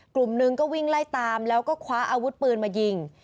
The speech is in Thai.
กลุ่มหนึ่งก็วิ่งไล่ตามแล้วก็คว้าอาวุธปืนมายิง